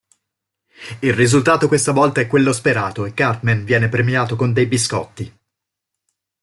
Il risultato questa volta è quello sperato e Cartman viene premiato con dei biscotti.